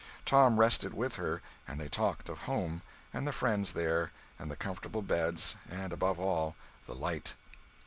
Tom rested with her, and they talked of home, and the friends there, and the comfortable beds and, above all, the light!